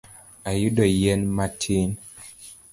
Ayudo yien matin